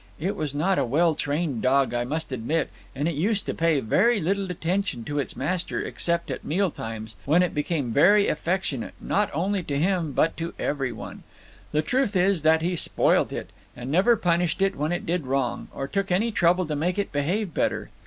It was not a well trained dog, I must admit, and it used to pay very little attention to its master, except at meal times, when it became very affectionate, not only to him, but to every one. The truth is that he spoilt it, and never punished it when it did wrong, or took any trouble to make it behave better.